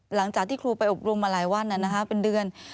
หลังจากที่ครูไปอบรมมาหลายวันเป็นเดือน